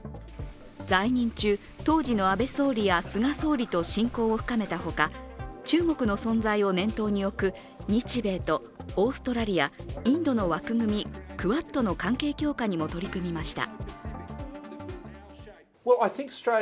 在任中、当時の安倍総理や菅総理と親交を深めたほか中国の存在を念頭に置く日米とオーストラリア、インドの枠組み、クアッドの関係強化にも取り組みました。